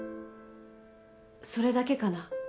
それだけかな？